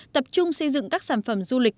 tập trung xây dựng các sản phẩm du lịch